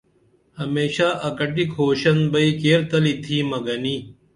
ہمیشہ اکَٹی کھوشن بئی کیر تلی تِھمہ گنی